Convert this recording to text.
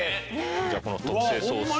じゃあこの特製ソース。